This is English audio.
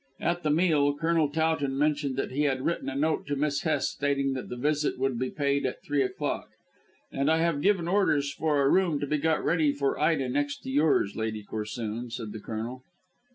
At the meal Colonel Towton mentioned that he had written a note to Miss Hest stating that the visit would be paid at three o'clock. "And I have given orders for a room to be got ready for Ida next to yours, Lady Corsoon," said the Colonel.